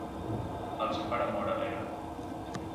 El seu pare mor alegre.